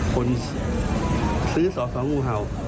คนซื้อสอสองูเห่า